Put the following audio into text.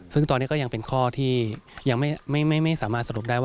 ซึ่งตอนนี้ก็ยังเป็นข้อที่ยังไม่สามารถสรุปได้ว่า